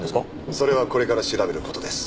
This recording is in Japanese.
それはこれから調べる事です。